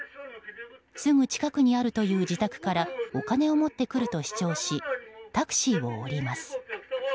すぐ近くにあるという自宅からお金を持ってくると主張しタクシーを降ります。